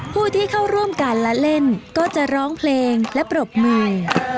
ผู้ที่เข้าร่วมการละเล่นก็จะร้องเพลงและปรบมือ